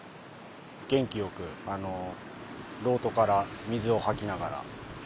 元気よくあのロートから水を吐きながら。